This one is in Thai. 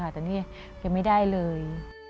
แต่นี่ยังไม่ได้เลย